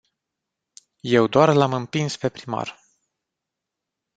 Eu doar l-am împins pe primar.